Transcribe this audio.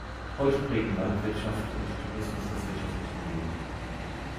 Heute prägen Landwirtschaft und Tourismus das wirtschaftliche Leben.